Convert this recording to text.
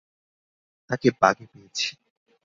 তাকে বাগে পেয়েছি।